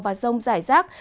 và rông giải rác